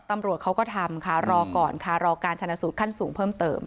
ตำรวจเขาก็ทำค่ะรอก่อนค่ะรอการชนะสูตรขั้นสูงเพิ่มเติม